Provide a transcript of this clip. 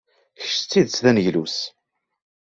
Kečč d tidet d aneglus!